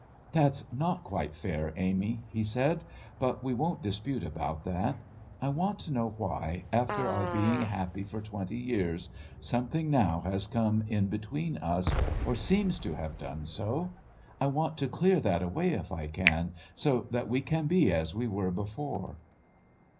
"That's not quite fair, Amy," he said. "But we won't dispute about that. I want to know why, after our being happy for twenty years, something now has come in between us or seems to have done so; I want to clear that away if I can, so that we can be as we were before."